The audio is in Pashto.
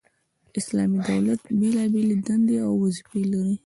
اسلامي دولت بيلابېلي دندي او وظيفي لري،